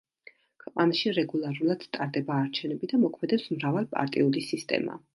ქვეყანაში რეგულარულად ტარდება არჩევნები და მოქმედებს მრავალპარტიული სისტემა.